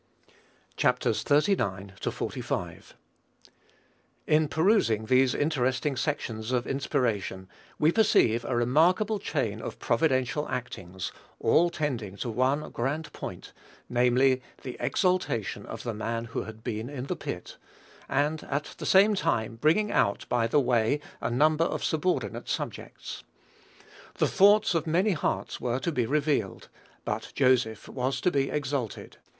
CHAPTER XXXIX. XLV. In perusing these interesting sections of inspiration, we perceive a remarkable chain of providential actings, all tending to one grand point, namely, the exaltation of the man who had been in the pit; and at the same time bringing out by the way a number of subordinate objects. "The thoughts of many hearts" were to be "revealed;" but Joseph was to be exalted.